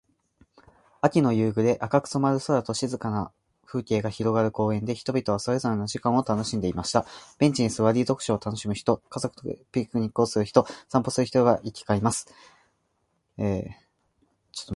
秋の夕暮れ、赤く染まる空と静かな風景が広がる公園で、人々はそれぞれの時間を楽しんでいました。ベンチに座り、読書を楽しむ人、家族でピクニックをする人、散歩する人々が行き交います。木々の葉は色とりどりに変わり、足元には枯葉が舞い、季節の移ろいを感じさせてくれます。